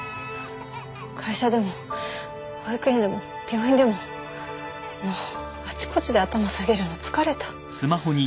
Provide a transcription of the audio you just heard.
会社でも保育園でも病院でももうあちこちで頭下げるの疲れた。